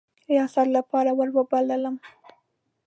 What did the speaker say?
ریاست لپاره وروبللم.